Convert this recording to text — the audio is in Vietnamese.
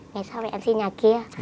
ngày sau mẹ em xin nhà kia